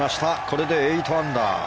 これで８アンダー。